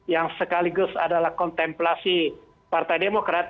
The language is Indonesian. yang sekaligus adalah kontemplasi partai demokrat